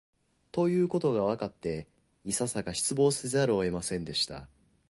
ということがわかって、いささか失望せざるを得ませんでした